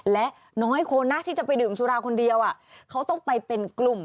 และน้อยคนนะที่จะไปดื่มสุราคนเดียวเขาต้องไปเป็นกลุ่ม